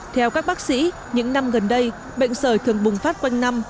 theo các bác sĩ những năm gần đây bệnh sởi thường bùng phát quanh năm